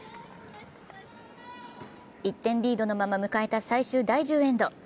１点リードのまま迎えた最終第１０エンド。